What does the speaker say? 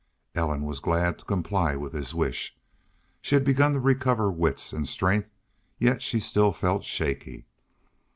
Ellen was glad to comply with his wish. She had begun to recover wits and strength, yet she still felt shaky.